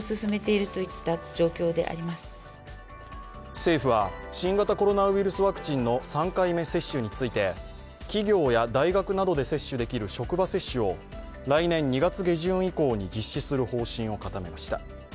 政府は、新型コロナウイルスワクチンの３回目接種について企業や大学などで接種できる職場接種を来年２月下旬以降に実施する方針を固めました。